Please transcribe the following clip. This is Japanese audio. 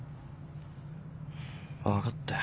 分かったよ。